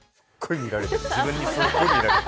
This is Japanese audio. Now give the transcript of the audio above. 自分にすっごい見られてた。